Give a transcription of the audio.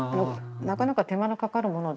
なかなか手間のかかるもので。